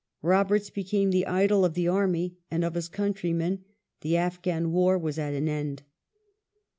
Roberts became the idol of the army and of his countrymen. The Afghan War was at an end.